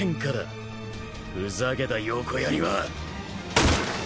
ふざけた横やりは。